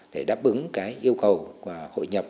để đáp ứng cái yêu cầu hội nhập